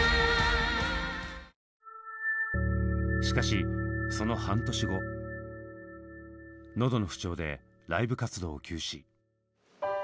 しかしその半年後喉の不調でライブ活動を休止。